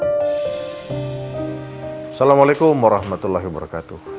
assalamualaikum warahmatullahi wabarakatuh